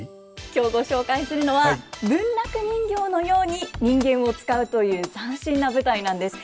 今日ご紹介するのは文楽人形のように人間を遣うという斬新な舞台なんです。